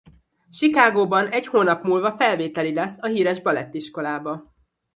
Chicagóban egy hónap múlva felvételi lesz a híres balett iskolába.